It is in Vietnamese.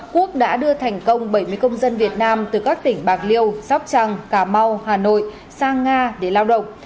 quốc đã đưa thành công bảy mươi công dân việt nam từ các tỉnh bạc liêu sóc trăng cà mau hà nội sang nga để lao động